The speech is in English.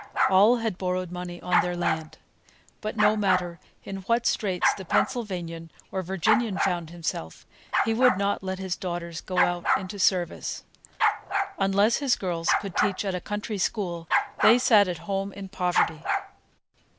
All had borrowed money on their land. But no matter in what straits the Pennsylvanian or Virginian found himself, he would not let his daughters go out into service. Unless his girls could teach a country school, they sat at home in poverty.